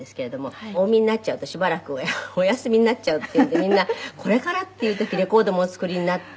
「お産みになっちゃうとしばらくお休みになっちゃうっていうんでみんなこれからっていう時レコードもお作りになって」